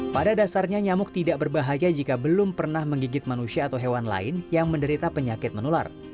pada dasarnya nyamuk tidak berbahaya jika belum pernah menggigit manusia atau hewan lain yang menderita penyakit menular